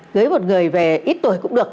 cưới một người về ít tuổi cũng được